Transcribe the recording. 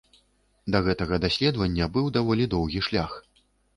Да гэтага даследавання быў даволі доўгі шлях.